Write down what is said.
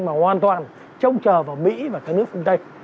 mà hoàn toàn trông chờ vào mỹ và các nước phương tây